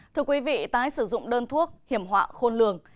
thưa quý vị tái sử dụng đơn thuốc hiểm họa khôn lường